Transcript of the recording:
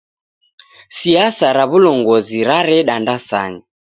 Siasa ra w'ulongozi rareda ndasanya.